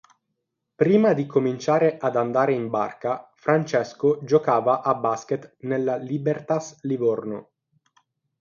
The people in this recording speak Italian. Prima di cominciare ad andare in barca Francesco giocava a Basket nella Libertas Livorno.